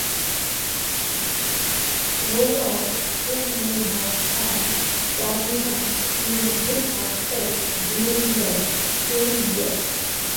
Roloff who may have found cadmium in zinc oxide during the same year.